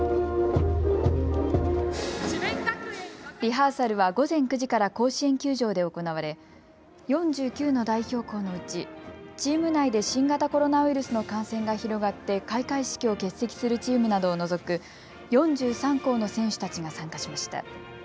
リハーサルは午前９時から甲子園球場で行われ４９の代表校のうちチーム内で新型コロナウイルスの感染が広がって開会式を欠席するチームなどを除く４３校の選手たちが参加しました。